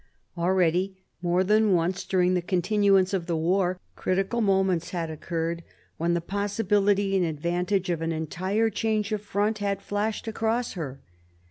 Already more than once during the continuance of the war, critical moments had occurred, when the possibility and advantage of an entire change of front had flashed across her.